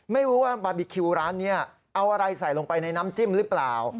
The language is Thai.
ไม่รู้ว่าบาร์บีคิวร้านนี้เอาอะไรใส่ลงไปในน้ำจิ้มหรือเปล่า